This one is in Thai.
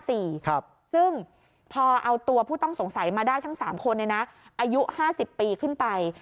ซึ่งพอเอาตัวผู้ต้องสงสัยมาได้ทั้ง๓คนอายุ๕๐ปีขึ้นไป